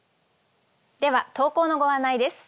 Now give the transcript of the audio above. では投稿のご案内です。